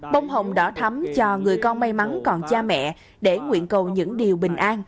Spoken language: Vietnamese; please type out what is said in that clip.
bông hồng đỏ thấm cho người con may mắn còn cha mẹ để nguyện cầu những điều bình an